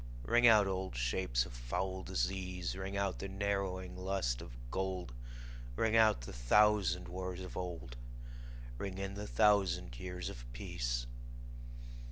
Ring out old shapes of foul disease, Ring out the narrowing lust of gold; Ring out the thousand wars of old, Ring in the thousand years of peace.